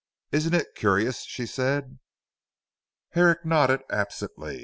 "Isn't it curious?" she said. Herrick nodded absently.